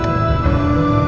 ya kita berhasil